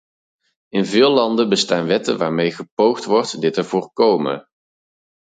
In veel landen bestaan wetten waarmee gepoogd wordt dit te voorkomen.